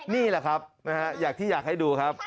นี่แหละครับอย่างที่อยากให้ดูครับ